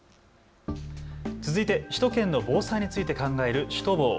続いて首都圏の防災について考えるシュトボー。